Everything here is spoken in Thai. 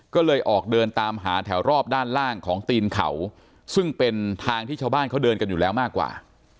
ก็เลยออกเดินตามหาแถวรอบด้านล่างของตีนเขาซึ่งเป็นทางที่ชาวบ้านเขาเดินกันอยู่แล้วมากกว่า